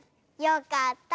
よかった。